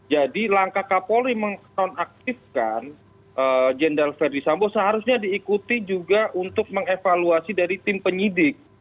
jadi langkah kapolri mengaktifkan jendal ferdis sambu seharusnya diikuti juga untuk mengevaluasi dari tim penyidik